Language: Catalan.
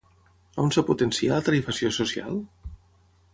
On es potencia la tarifació social?